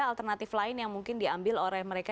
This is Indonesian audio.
alternatif lain yang mungkin diambil oleh mereka